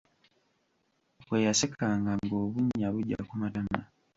Bwe yasekanga ng'obunnya bujja ku matama!